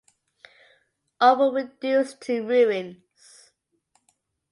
All were reduced to ruins.